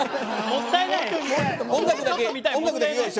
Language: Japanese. もったいない。